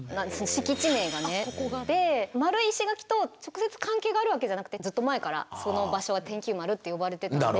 敷地名がね。で丸い石垣と直接関係があるわけじゃなくてずっと前からその場所は天球丸って呼ばれてたんで。